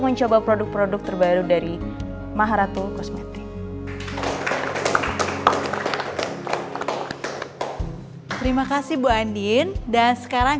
mencoba produk produk terbaru dari maharatu kosmetik terima kasih bu andin dan sekarang